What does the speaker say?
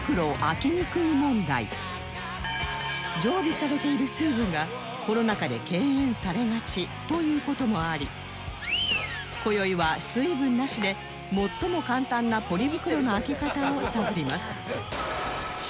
常備されている水分がコロナ禍で敬遠されがちという事もあり今宵は水分なしで最も簡単なポリ袋の開け方を探ります